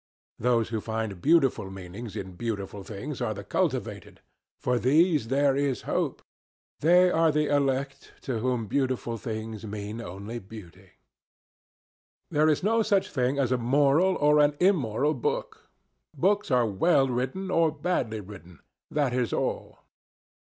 Those who find beautiful meanings in beautiful things are the cultivated. For these there is hope. They are the elect to whom beautiful things mean only beauty. There is no such thing as a moral or an immoral book. Books are well written, or badly written. That is all.